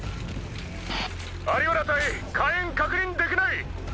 在原隊火煙確認できない。